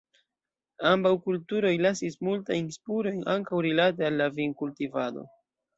Ambaŭ kulturoj lasis multajn spurojn, ankaŭ rilate al la vinkultivado.